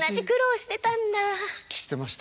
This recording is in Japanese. してました。